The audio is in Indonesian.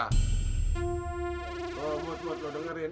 oh buat buat lo dengerin